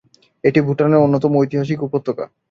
এটি ভুটানের অন্যতম ঐতিহাসিক উপত্যকা।